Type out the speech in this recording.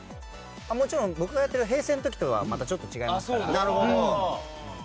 もちろん僕がやっている平成の時とはまた違いますから。